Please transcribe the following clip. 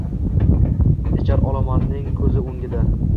Ichar olomonning koʻzi oʻngida